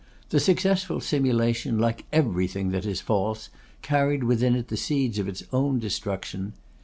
The successful simulation, like everything that is false, carried within it the seeds of its own dissolution.